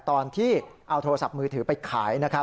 ตอนที่เอาโทรศัพท์มือถือไปขาย